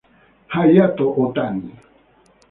Hayato Otani